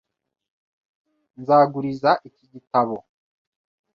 Nzaguriza iki gitabo .